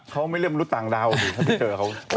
เขาไม่เรียนบทมันรุ่นต่างดาวจริงถ้าไม่เจอเขา